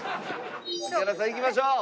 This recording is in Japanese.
槙原さんいきましょう！